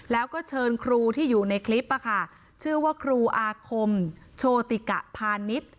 แล้วก็เชิญครูที่อยู่ในคลิปชื่อว่าครูอาคมโชติกะพาณิชย์